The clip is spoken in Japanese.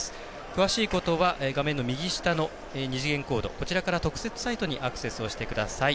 詳しいことは画面右下の二次元コードから特設サイトにアクセスをしてください。